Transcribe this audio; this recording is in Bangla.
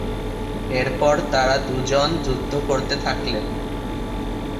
এরপর তারা দুজন যুদ্ধ করতে থাকলেন।